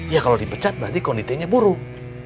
ya kalau dipecat berarti koditenya buruk